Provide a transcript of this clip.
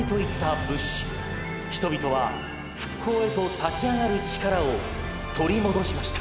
人々は復興へと立ち上がる力を取り戻しました」。